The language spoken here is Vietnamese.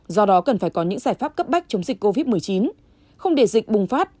do đó cần phải có những giải pháp cấp bách chống dịch covid một mươi chín không để dịch bùng phát